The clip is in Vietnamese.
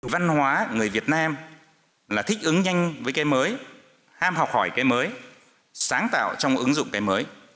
văn hóa người việt nam là thích ứng nhanh với cái mới ham học hỏi cái mới sáng tạo trong ứng dụng cái mới